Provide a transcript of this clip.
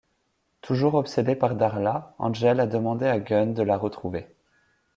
Toujours obsédé par Darla, Angel a demandé à Gunn de la retrouver.